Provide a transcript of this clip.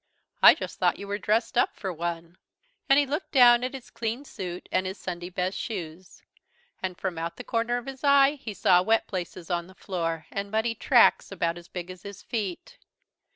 "I just thought you were dressed up for one." And he looked down at his clean suit and his Sunday best shoes. And from out the corner of his eye he saw wet places on the floor and muddy tracks, about as big as his feet.